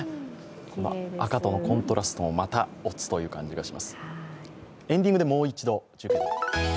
赤とのコントラストも、またオツという感じがします。